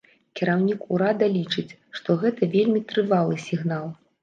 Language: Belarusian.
Кіраўнік урада лічыць, што гэта вельмі трывалы сігнал.